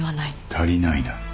足りないな。